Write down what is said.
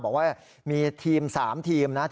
เพราะว่ามีทีมนี้ก็ตีความกันไปเยอะเลยนะครับ